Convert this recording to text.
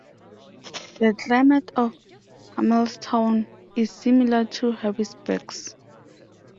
The climate of Hummelstown is similar to Harrisburg's.